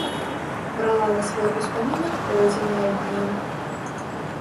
Брала на свой успамінак пройдзеныя дні.